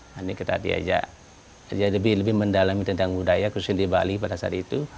nanti kita diajak lebih mendalami tentang budaya khususnya di bali pada saat itu